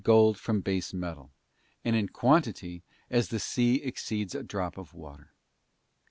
gold from base metal, and in quantity as the sea exceeds a drop of water.